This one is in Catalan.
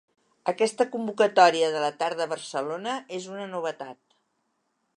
Aquesta convocatòria de la tarda a Barcelona és una novetat.